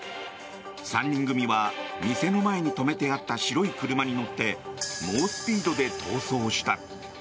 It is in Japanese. ３人組は店の前に止めてあった白い車に乗って猛スピードで逃走した。